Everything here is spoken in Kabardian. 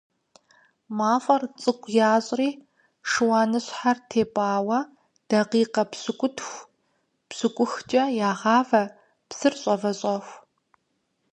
МафIэр цIыкIу ящIри шыуаныщхьэр тепIауэ дакъикъэ пщыкIутху-пщыкıухкIэ ягъавэ псыр щIэвэщIэху.